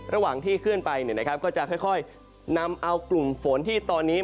ระหว่างที่เคลื่อนไปก็จะค่อยนำเอากลุ่มฝนที่ตอนนี้